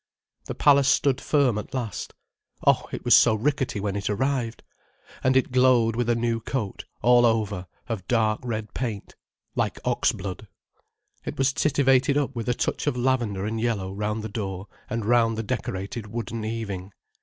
The Palace stood firm at last—oh, it was so ricketty when it arrived!—and it glowed with a new coat, all over, of dark red paint, like ox blood. It was tittivated up with a touch of lavender and yellow round the door and round the decorated wooden eaving.